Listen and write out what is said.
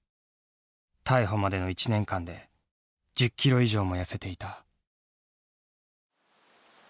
逮捕までの１年間で１０キロ以上も痩せていた。